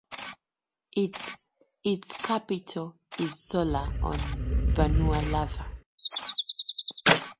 Its capital is Sola on Vanua Lava.